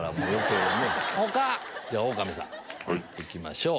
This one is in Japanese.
オオカミさん行きましょう。